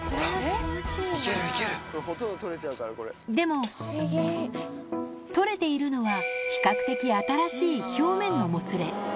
でも、取れているのは比較的新しい表面のもつれ。